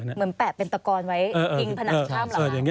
เหมือนแปะเป็นตะกอนไว้พิงผนังข้ามหลัง